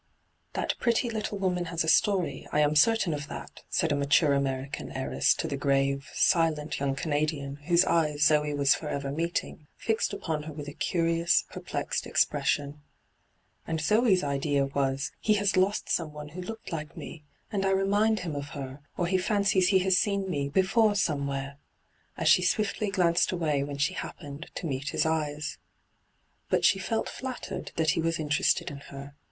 ' That pretty little woman has a story, I am certain of that,* said a mature American heiress to the grave, silent young Canadian whose eyes Zoe was for ever meeting, fixed upon her with a curious, perplexed expression. And Zoe's idea was, ' He has lost someoqe who looked like me, and I remind him of her, or he fancies he has seen me before some where,' as she swiftly glanced away when she happened to meet his eyes. But she felt flattered that he was interested in her.